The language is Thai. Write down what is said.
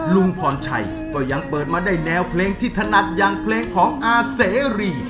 ลุงพรชัยก็ยังเปิดมาได้แนวเพลงที่ถนัดอย่างเพลงของอาเสรี